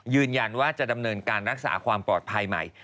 ยืนยันว่าจะดำเนินการรักษาความปลอดภัยใหม่